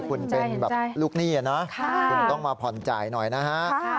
คุณเป็นแบบลูกหนี้นะคุณต้องมาผ่อนจ่ายหน่อยนะฮะ